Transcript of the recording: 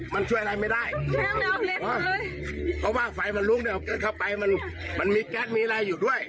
มันช่วยอะไรไม่ได้แล้วเพราะว่าไฟมันลุกเนี่ยเข้าไปมันมันมีแก๊สมีอะไรอยู่ด้วย